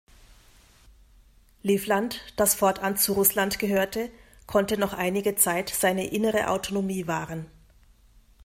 Livland, das fortan zu Russland gehörte, konnte noch einige Zeit seine innere Autonomie wahren.